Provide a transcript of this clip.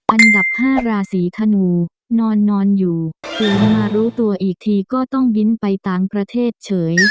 อันดับ๕ราศีธนูนอนนอนอยู่ถึงมารู้ตัวอีกทีก็ต้องบินไปต่างประเทศเฉย